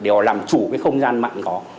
để họ làm chủ cái không gian mạng đó